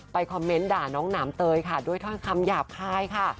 คอมเมนต์ด่าน้องหนามเตยค่ะด้วยถ้อยคำหยาบคายค่ะ